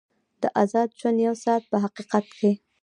د ازاد ژوند یو ساعت په حقیقت کې.